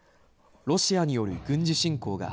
ロシアによる軍事侵攻が